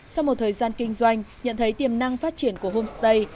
sau một thời gian kinh doanh nhận thấy tiềm năng phát triển của homestay